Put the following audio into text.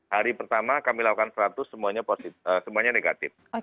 hari pertama kami lakukan seratus semuanya positif semuanya negatif